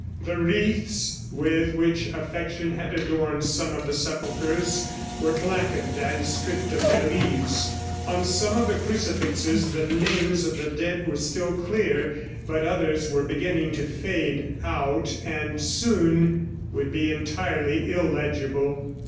The wreaths with which affection had adorned some of the sepulchres were blackened and stripped of their leaves. On some of the crucifixes, the names of the dead were still clear, but others were beginning to fade out and soon would be entirely illegible.